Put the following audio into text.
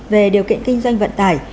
về điều kiện kinh doanh vận tải